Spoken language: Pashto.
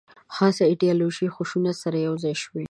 خاصه ایدیالوژي خشونت سره یو ځای شوې.